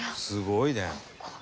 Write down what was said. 「すごいね」